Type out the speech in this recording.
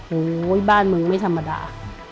โอ้โหบ้านมึงไม่ธรรมดา